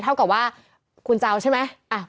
เท่ากับว่าคุณจะเอาใช่ไหม